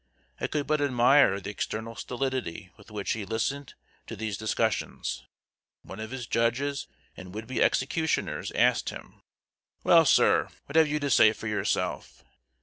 I could but admire the external stolidity with which he listened to these discussions. One of his judges and would be executioners asked him: "Well, sir, what have you to say for yourself?"